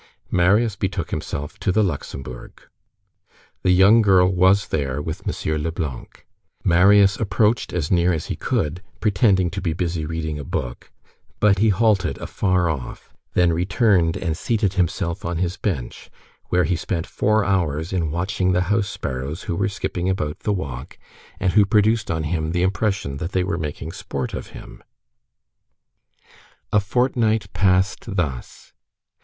Marius betook himself to the Luxembourg. The young girl was there with M. Leblanc. Marius approached as near as he could, pretending to be busy reading a book, but he halted afar off, then returned and seated himself on his bench, where he spent four hours in watching the house sparrows who were skipping about the walk, and who produced on him the impression that they were making sport of him. A fortnight passed thus.